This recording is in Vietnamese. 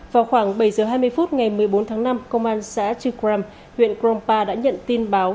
vào khoảng bảy giờ hai mươi phút ngày một mươi bốn tháng năm công an xã chikram huyện crompa đã nhận tin báo